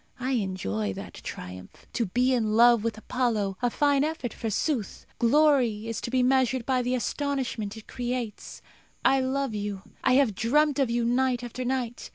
I enjoy that triumph. To be in love with Apollo a fine effort, forsooth! Glory is to be measured by the astonishment it creates. I love you. I have dreamt of you night after night.